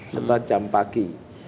serta jam pagi